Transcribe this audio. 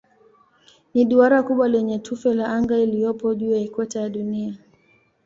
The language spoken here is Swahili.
Ni duara kubwa kwenye tufe la anga iliyopo juu ya ikweta ya Dunia.